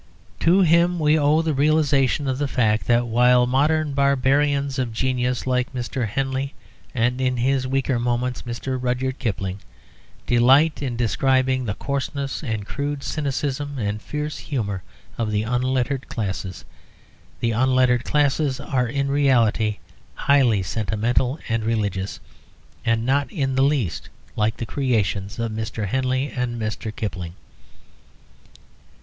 To him we owe the realisation of the fact that while modern barbarians of genius like Mr. Henley, and in his weaker moments Mr. Rudyard Kipling, delight in describing the coarseness and crude cynicism and fierce humour of the unlettered classes, the unlettered classes are in reality highly sentimental and religious, and not in the least like the creations of Mr. Henley and Mr. Kipling.